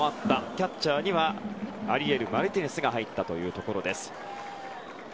キャッチャーにはアリエル・マルティネスが入ったところです。